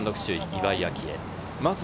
・岩井明愛。